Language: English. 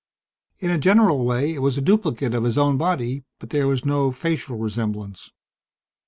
In a general way it was a duplicate of his own body, but there was no facial resemblance.